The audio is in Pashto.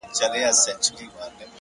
لوړ فکر نوی افق رامنځته کوي،